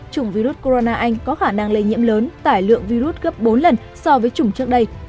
chủng virus corona anh có khả năng lây nhiễm lớn tải lượng virus gấp bốn lần so với chủng trước đây